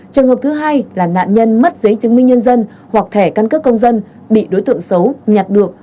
trường hợp thứ hai là nạn nhân mất giấy chứng minh nhân dân hoặc thẻ căn cước công dân bị đối tượng xấu nhặt được